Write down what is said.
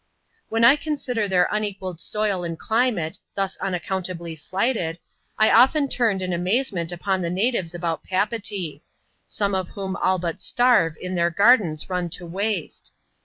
When I consider their unequalled soil and climate, thus unaccountably slighted, I often turned in amazement upon the natives about Papeetee ; some of whom all but starve in their gardens run to waste.